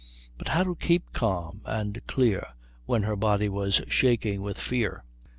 But how to keep calm and clear when her body was shaking with fear?